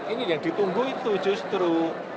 ini yang ditunggu itu justru